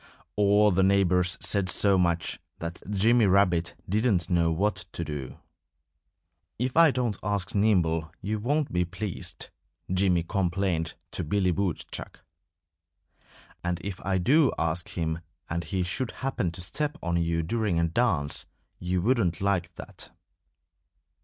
All the neighbors said so much that Jimmy Rabbit didn't know what to do. "If I don't ask Nimble you won't be pleased," Jimmy complained to Billy Woodchuck. "And if I do ask him and he should happen to step on you during a dance you wouldn't like that."